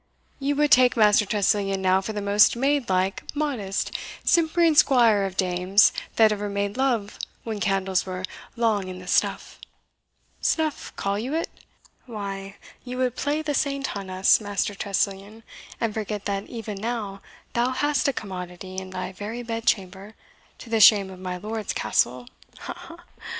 You would take Master Tressilian now for the most maid like, modest, simpering squire of dames that ever made love when candles were long i' the stuff snuff; call you it? Why, you would play the saint on us, Master Tressilian, and forget that even now thou hast a commodity in thy very bedchamber, to the shame of my lord's castle, ha! ha! ha!